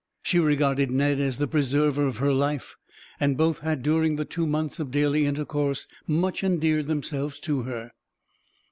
She regarded Ned as the preserver of her life; and both had, during the two months of daily intercourse, much endeared themselves to her.